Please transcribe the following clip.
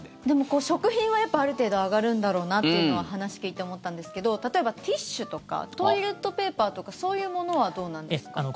でも食品は、ある程度上がるんだろうなっていうのは話聞いて思ったんですけど例えばティッシュとかトイレットペーパーとかそういうものはどうなんですか？